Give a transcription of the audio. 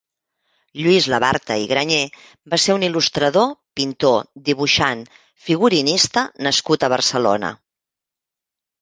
Lluís Labarta i Grañé va ser un il·lustrador, pintor, dibuixant, figurinista nascut a Barcelona.